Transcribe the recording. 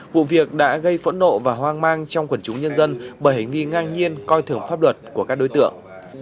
vụ việc đã gây phẫn nộ và hoang mang trong quần chúng nhân dân bởi hành nghi ngang nhiên coi thưởng pháp luật của các đối tượng